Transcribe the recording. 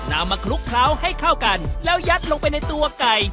นำมาคลุกเคล้าให้เข้ากันแล้วยัดลงไปในตัวไก่